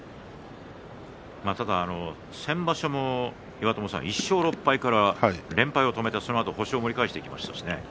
ただ先場所も岩友さん１勝６敗から連敗を止めてそのあと星を盛り返していきました。